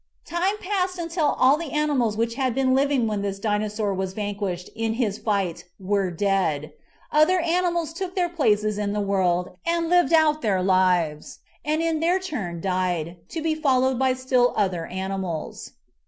Time passed until all the animals which had been living when this Dinosaur was vanquished in his fight were dead. Other animals took their places in the world and lived out their lives, and in their turn died, to be followed by still other animals.